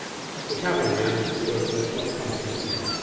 The cavalry, under Stuart, were to accompany him.